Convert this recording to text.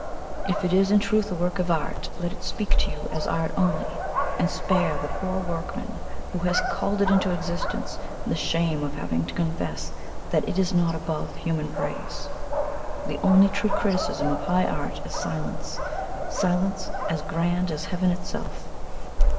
If it is in truth a work of art, let it speak to you as art only, and spare the poor workman who has called it into existence the shame of having to confess that it is not above human praise. The only true criticism of high art is silence silence as grand as heaven itself."